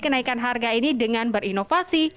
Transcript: kenaikan harga ini dengan berinovasi